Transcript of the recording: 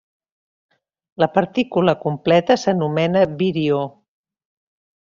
La partícula completa s’anomena virió.